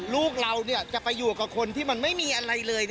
ลูกเราจะไปอยู่กับคนที่มันไม่มีอะไรเลย